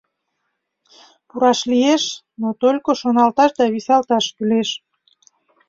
Пураш лиеш, но только шоналташ да висалташ кӱлеш.